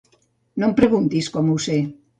No em preguntis com ho sé